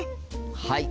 はい！